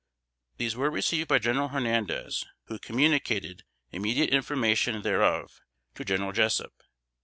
These were received by General Hernandez, who communicated immediate information thereof to General Jessup.